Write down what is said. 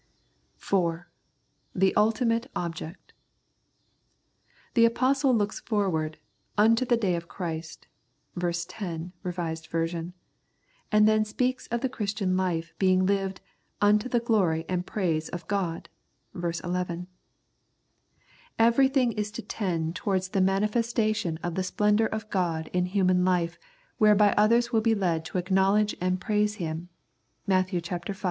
4. The Ultimate Object. The Apostle looks forward " unto the day of Christ " (ver. 10, R.V.), and then speaks of the Christian life being lived " unto the glory and praise of God " (ver. 11). Everything is to tend towards the 135 The Prayers of St. Paul manifestation of the splendour of God in human Hfe whereby others will be led to acknowledge and praise Him (Matt. v.